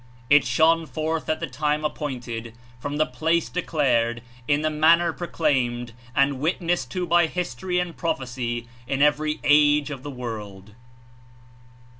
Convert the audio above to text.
It shone forth at the time appointed, from the place declared, In the manner proclaimed and witnessed to by history and prophecy In every age of the world.